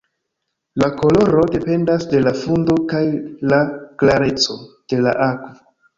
La koloro dependas de la fundo kaj la klareco de la akvo.